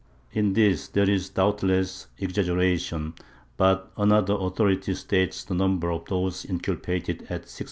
In this there is doubtless exaggeration, but another authority states the number of those inculpated at 695.